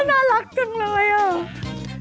น่ารักจังเลยอ่ะ